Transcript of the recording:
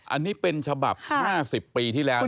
อันนี้เป็นฉบับ๕๐ปีที่แล้ว